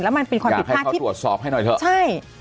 แล้วมันเป็นความผิดพลาดที่อยากให้เขาตรวจสอบให้หน่อยเถอะใช่